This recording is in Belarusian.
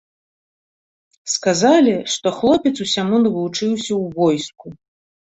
Сказалі, што хлопец усяму навучыўся ў войску.